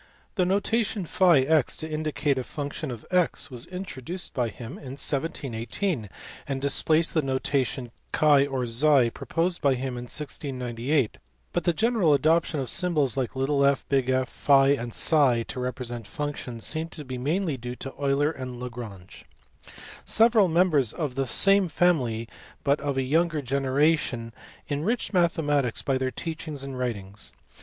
The notation <(>x to indicate a function of x was introduced by him in 1718, and displaced the notation X or proposed by him in 1698 : but the general adoption of symbols like f, F, <, \f/, ... to represent functions, seems to be mainly due to Euler and Lagrange. Several members of the same family, but of a younger generation, enriched mathematics by their teaching and writings.